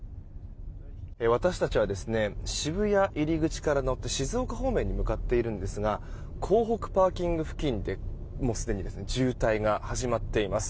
私たちは渋谷入り口から乗って静岡方面に向かっているんですが港北パーキング付近でもうすでに渋滞が始まっています。